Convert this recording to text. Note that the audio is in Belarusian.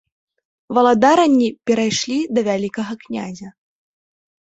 Валадаранні перайшлі да вялікага князя.